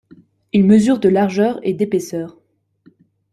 Il mesure de largeur et d'épaisseur.